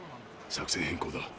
作戦変更だ。